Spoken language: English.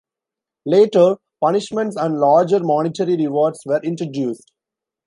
Later, punishments and larger monetary rewards were introduced.